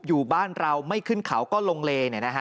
อยู่บ้านเราไม่ขึ้นเขาก็ลงเล